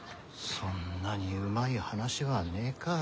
そんなにうまい話はねえか。